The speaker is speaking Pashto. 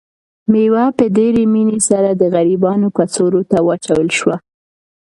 مېوه په ډېرې مینې سره د غریبانو کڅوړو ته واچول شوه.